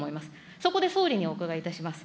そこで総理にお伺いいたします。